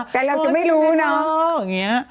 แต่เราจะไม่รู้เนอะ